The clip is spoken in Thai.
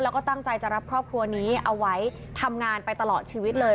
แล้วก็ตั้งใจจะรับครอบครัวนี้เอาไว้ทำงานไปตลอดชีวิตเลย